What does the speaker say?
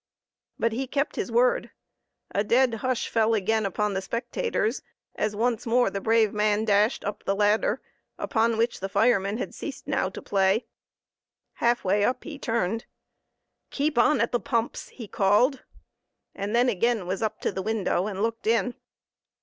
But he kept his word, A dead hush fell again upon the spectators, as once more the brave man dashed up the ladder, upon which the firemen had ceased now to play. Half way up he turned. "Keep on at the pumps!" he called; and then again was up to the window and looked in.